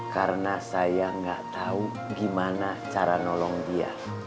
karena saya nggak tahu gimana cara nolong dia